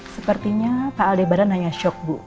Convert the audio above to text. sepertinya pak aldebaran hanya shock bu